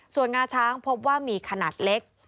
ส่วนงาช้างพบว่ามีขนาดเล็ก